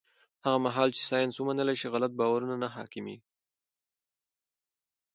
هغه مهال چې ساینس ومنل شي، غلط باورونه نه حاکمېږي.